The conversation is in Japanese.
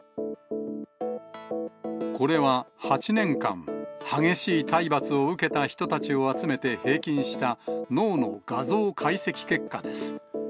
これは８年間、激しい体罰を受けた人たちを集めて平均した脳の画像解析結果です。